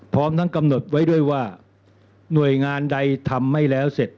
พร้อมทั้งกำหนดไว้ด้วยว่าหน่วยงานใดทำไม่แล้วเสร็จ